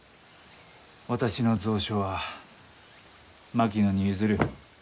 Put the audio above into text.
私の蔵書は槙野に譲る。